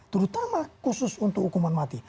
terutama khusus untuk hukuman mati